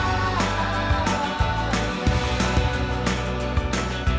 ก็จะต่อยไปเรื่อย